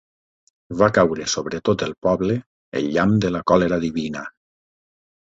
Va caure sobre tot el poble el llamp de la còlera divina.